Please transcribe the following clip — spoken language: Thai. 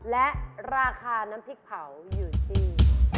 และราคาน้ำพริกเผาอยู่ที่